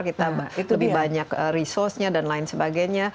kita lebih banyak resourcenya dan lain sebagainya